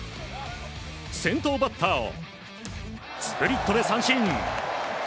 先頭バッターをスプリットで三振。